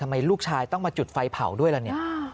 ลูกชายต้องมาจุดไฟเผาด้วยล่ะเนี่ย